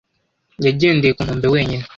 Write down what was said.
yagendeye ku nkombe wenyine.